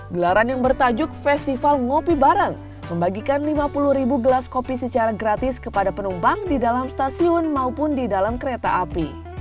gelaran yang bertajuk festival ngopi bareng membagikan lima puluh ribu gelas kopi secara gratis kepada penumpang di dalam stasiun maupun di dalam kereta api